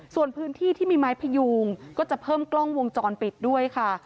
ส่วนพื้นที่ที่มีไม้พยูงก็จะเพิ่มกล้องวงจรปิดด้วยค่ะ